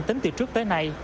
tính từ trước tới nay